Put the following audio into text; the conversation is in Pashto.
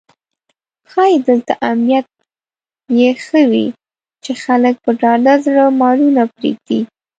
ښایي دلته امنیت یې ښه وي چې خلک په ډاډه زړه مالونه پرېږدي.